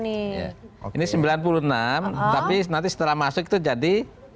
ini sembilan puluh enam tapi nanti setelah masuk itu jadi